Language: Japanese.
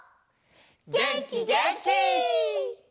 げんきげんき！